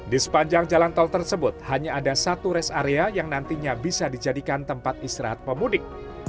di sepanjang jalan tol tersebut hanya ada satu rest area yang nantinya bisa dijadikan tempat istirahat pemudik